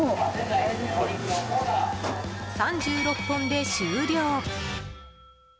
３６本で終了。